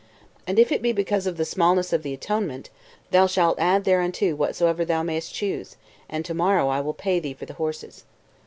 And if it be because of the smallness of the atonement, thou shalt add thereunto whatsoever thou mayest choose, and to morrow I will pay thee for the horses."